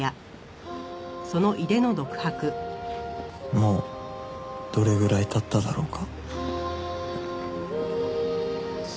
もうどれぐらい経っただろうか